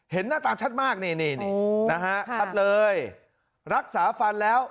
เห็นหน้าตาชัดมากนี่นี่นี่นะฮะครับเลยรักษาฟันแล้ว